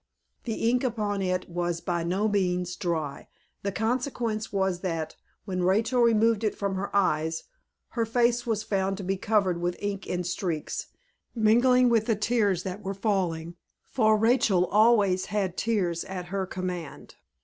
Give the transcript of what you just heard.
The ink upon it was by no means dry. The consequence was that, when Rachel removed it from her eyes, her face was found to be covered with ink in streaks, mingling with the tears that were falling, for Rachel always had tears at her command.